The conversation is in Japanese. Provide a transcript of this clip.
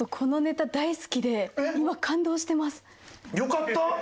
よかった！